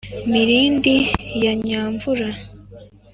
mirindi ya nyamvura